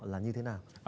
là như thế nào